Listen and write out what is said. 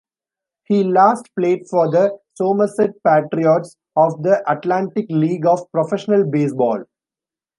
He last played for the Somerset Patriots of the Atlantic League of Professional Baseball.